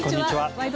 「ワイド！